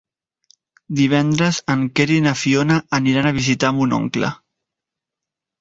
Divendres en Quer i na Fiona aniran a visitar mon oncle.